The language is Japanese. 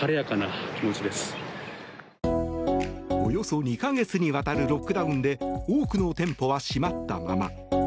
およそ２か月にわたるロックダウンで多くの店舗は閉まったまま。